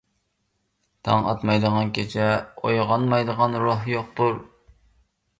تاڭ ئاتمايدىغان كېچە، ئويغانمايدىغان روھ يوقتۇر.